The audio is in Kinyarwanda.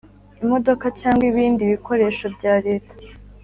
imodoka cyangwa ibindi bikoresho bya leta